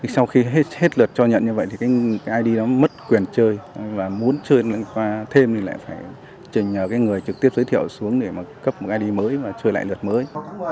sau khi hết lượt cho nhận như vậy thì id mất quyền chơi và muốn chơi thêm thì lại phải trình nhờ người trực tiếp giới thiệu xuống để cấp một id mới và chơi lại lượt mới